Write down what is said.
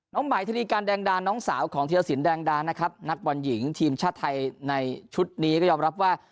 หมายธนีการแดงดาน้องสาวของธีรสินแดงดานะครับนักบอลหญิงทีมชาติไทยในชุดนี้ก็ยอมรับว่า